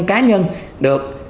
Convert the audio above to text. cá nhân được